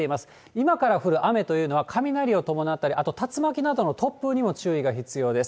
今から降る雨というのは、雷を伴ったり、あと竜巻などの突風にも注意が必要です。